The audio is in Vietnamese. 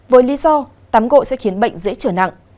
với lý do tắm gộ sẽ khiến bệnh dễ trở nặng